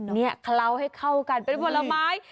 นี่เคล้าให้เข้ากันเป็นผลไม้